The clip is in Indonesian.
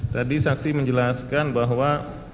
tadi saksi menjelaskan bahwa